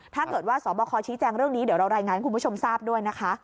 ถ้าเกิดว่าสอบคอชี้แจงเรื่องนี้เดี๋ยวเรารายงานให้คุณผู้ชมทราบด้วยนะคะ